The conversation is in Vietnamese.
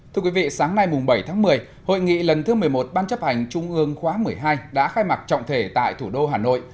thưa quý vị sáng nay bảy tháng một mươi hội nghị lần thứ một mươi một ban chấp hành trung ương khóa một mươi hai đã khai mạc trọng thể tại thủ đô hà nội